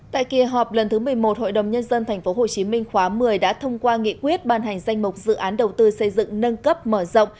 tại kỳ họp lần thứ một mươi một hội đồng nhân dân tp hcm khóa một mươi đã thông qua nghị quyết ban hành danh mục dự án đầu tư xây dựng nâng cấp mở rộng